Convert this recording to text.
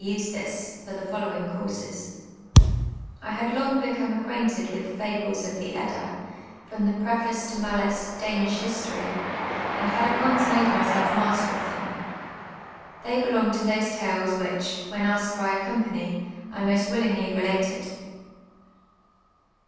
»<e this, for the following causes : I had long become accjuainted with the fables of the Kdda, from tlie preface to Mallets Danish Ilistonj, and had at once made myself master of tliem. They belonged to those tales which, when asked by a company, I most willingly related.